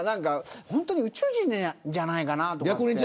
本当に宇宙人じゃないかなと思って。